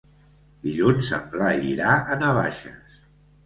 Dilluns en Blai irà a Navaixes.